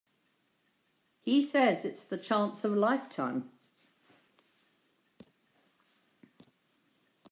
He says it's the chance of a lifetime.